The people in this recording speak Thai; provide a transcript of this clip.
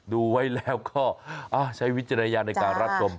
ดูไว้แล้วก็ใช้วิจารณญาณในการรับชม